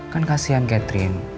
kan kasihan catherine